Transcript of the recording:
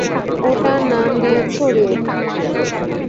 ওটার নাম দিয়েছ রেড।